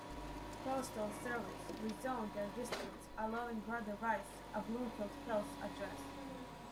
Postal Service rezoned their districts allowing Brother Rice a "Bloomfield Hills" address.